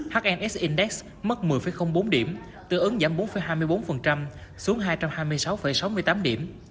hns index mất một mươi bốn điểm tư ứng giảm bốn hai mươi bốn xuống hai trăm hai mươi sáu sáu mươi tám điểm